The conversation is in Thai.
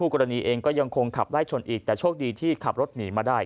ก็ยังคงขับรถไล่ชนอีกแต่โชคดีที่ขับรถหนีมาได้